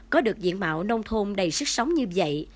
có được diện mạo nông thôn đầy sức sống như vậy